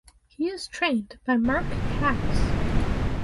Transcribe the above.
He is trained by Mark Casse.